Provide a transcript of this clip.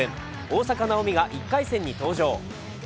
大坂なおみが１回戦に登場。